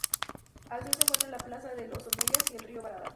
Al sur se encuentra la Plaza de los Omeyas y el Río Barada.